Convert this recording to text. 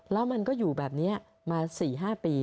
แล้วมันก็อยู่แบบนี้มา๔๕ปี